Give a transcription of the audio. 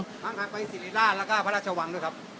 ไปสนามหลวงโรงพยาบาลศิริราชแล้วก็พระราชวังด้วยครับ